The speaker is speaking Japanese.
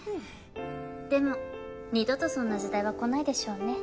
でも二度とそんな時代は来ないでしょうね。